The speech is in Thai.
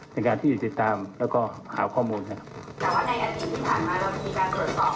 ในการที่ติดตามแล้วก็หาข้อมูลนะครับ